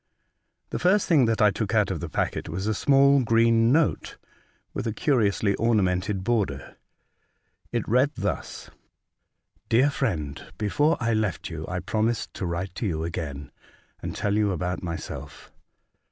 The first thing that I took out of the packet was a small green note with a curiously orna mented border. It read thus :— "Dear Friend, — Before I left you I pro mised to write to you again, and tell you about myself.